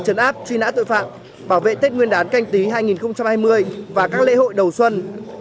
trấn áp truy nã tội phạm bảo vệ tết nguyên đán canh tí hai nghìn hai mươi và các lễ hội đầu xuân